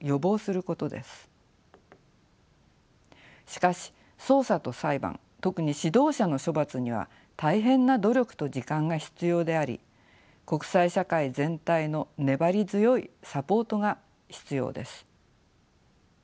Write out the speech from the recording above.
しかし捜査と裁判特に指導者の処罰には大変な努力と時間が必要であり国際社会全体の粘り強いサポートが必要です。